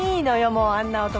もうあんな男。